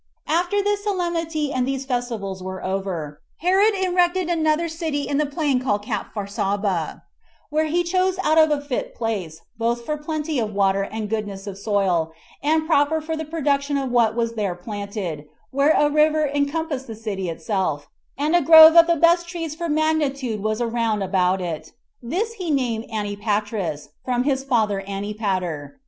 2. After this solemnity and these festivals were over, Herod erected another city in the plain called Capharsaba, where he chose out a fit place, both for plenty of water and goodness of soil, and proper for the production of what was there planted, where a river encompassed the city itself, and a grove of the best trees for magnitude was round about it: this he named Antipatris, from his father Antipater.